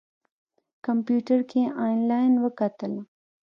کمپیوټر کې یې انلاین وتله.